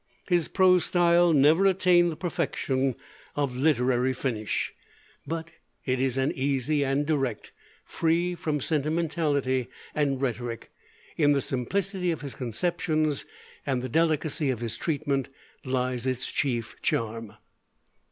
His prose style never attained the perfection of literary finish, but it is easy and direct, free from sentimentality and rhetoric; in the simplicity of his conceptions and the delicacy of his treatment lies its chief charm.